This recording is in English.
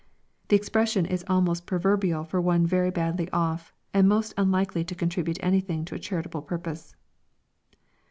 The expression is almost proverbial for one very badly off, and most unlikely to contribute anything to a charitable purpose.